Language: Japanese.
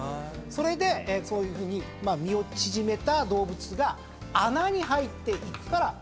それでそういうふうに身を縮めた動物が穴に入っていくから。